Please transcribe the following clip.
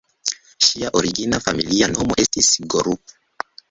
Ŝia origina familia nomo estis "Gorup".